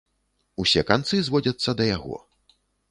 Усе канцы зводзяцца да яго.